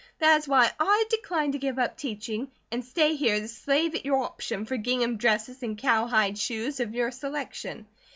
That is why I decline to give up teaching, and stay here to slave at your option, for gingham dresses and cowhide shoes, of your selection.